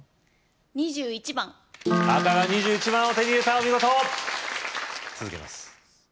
２１番赤が２１番を手に入れたお見事続けます